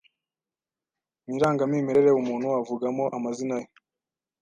Mu irangamimerere umuntu avugamo amazina ye